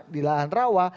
di lahan rawa